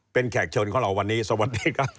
เป็นแขกเชิญของเราวันนี้สวัสดีครับ